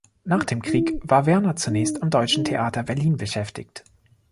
Nach dem Krieg war Werner zunächst am Deutschen Theater Berlin beschäftigt.